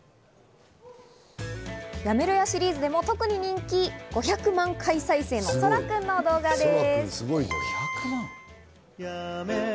やめろやシリーズでも特に人気、５００万回再生のそらくんの動画です。